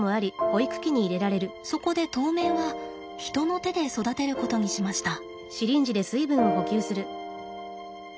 そこで当面は人の手で育てることにしました。